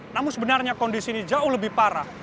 namun sebenarnya kondisi ini jauh lebih parah